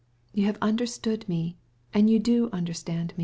"You understood me, and you understand.